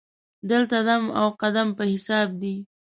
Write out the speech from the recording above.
دلته دم او قدم په حساب دی.